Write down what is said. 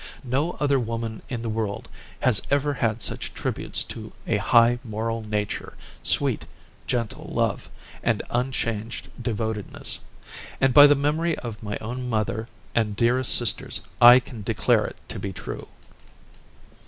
No other woman in the world has ever had such tributes to a high moral nature, sweet, gentle love, and unchanged devotedness. And by the memory of my own mother and dearest sisters I can declare it to be true!